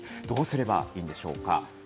どうすればいいんでしょうか。